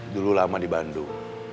dulu lama di bandung